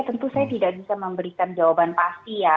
tentu saya tidak bisa memberikan jawaban pasti ya